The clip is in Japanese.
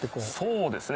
そうですね